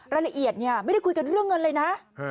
รายละเอียดไม่ได้คุยกันเรื่องเงินเลยนะ